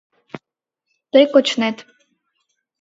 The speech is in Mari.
Тый кочнет